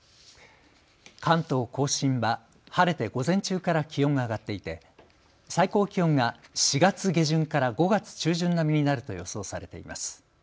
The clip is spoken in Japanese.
関東甲信は晴れて午前中から気温が上がっていて最高気温が４月下旬から５月中旬並みになると予想されています。